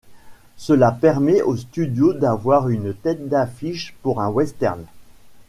Cela permet au studio d'avoir une tête d'affiche pour un western.